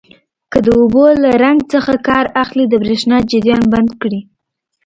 که د اوبو له رنګ څخه کار اخلئ د بریښنا جریان بند کړئ.